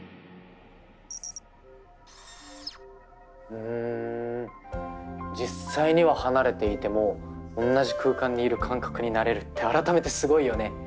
ふん実際には離れていても同じ空間にいる感覚になれるって改めてすごいよね。